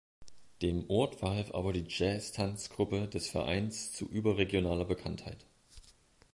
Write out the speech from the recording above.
Dem Ort verhalf aber die Jazz-Tanz-Gruppe des Vereins zu überregionaler Bekanntheit.